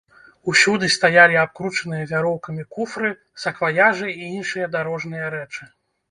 Усюды стаялі абкручаныя вяроўкамі куфры, сакваяжы і іншыя дарожныя рэчы.